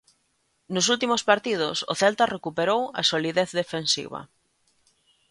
Nos últimos partidos, o Celta recuperou a solidez defensiva.